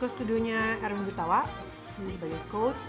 ke studionya erwin gutawa ini sebagai coach